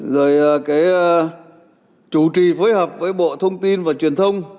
rồi cái chủ trì phối hợp với bộ thông tin và truyền thông